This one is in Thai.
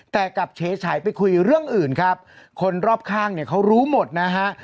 แต่กลับเฉยไปคุยเรื่องอื่นครับคนรอบข้างเนี่ยเขารู้หมดนะฮะ